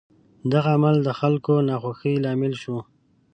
دغه عمل د خلکو د ناخوښۍ لامل شو.